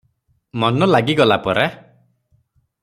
ମନ ଲାଗିଗଲା ପରା ।